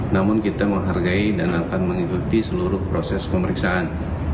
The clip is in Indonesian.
namun kita menghargai dan akan mengikuti seluruh proses pemeriksaan